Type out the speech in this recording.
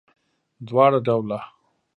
دواړه ډوله